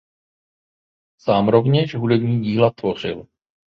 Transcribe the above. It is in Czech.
Sám rovněž hudební díla tvořil.